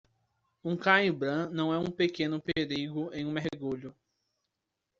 Uma cãibra não é um pequeno perigo em um mergulho.